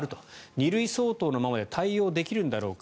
２類相当のままで対応できるんだろうか。